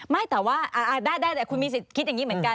ไม่แต่ว่าได้แต่คุณมีสิทธิ์คิดอย่างนี้เหมือนกัน